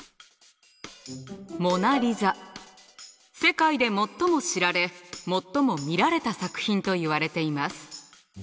世界で最も知られ最も見られた作品といわれています。